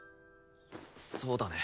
そうだね。